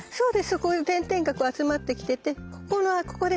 そこに点々が集まってきててここのここです。